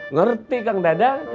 ngerti kang dadang